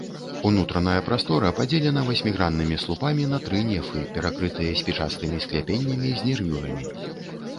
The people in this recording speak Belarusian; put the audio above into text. Унутраная прастора падзелена васьміграннымі слупамі на тры нефы, перакрытыя спічастымі скляпеннямі з нервюрамі.